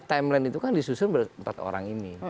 timeline itu kan disusun empat orang ini